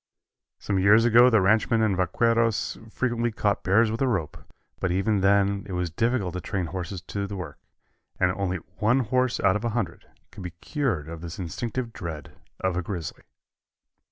Some years ago the ranchmen and vaqueros frequently caught bears with a rope, but even then it was difficult to train horses to the work, and only one horse out of a hundred could be cured of his instinctive dread of a grizzly.